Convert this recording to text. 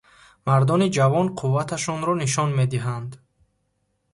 Мардони ҷавон қувваташонро нишон медиҳанд.